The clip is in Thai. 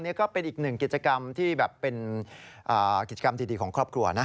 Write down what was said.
นี่ก็เป็นอีกหนึ่งกิจกรรมที่แบบเป็นกิจกรรมดีของครอบครัวนะ